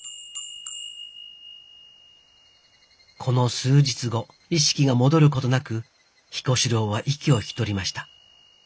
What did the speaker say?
この数日後意識が戻ることなく彦四郎は息を引き取りました。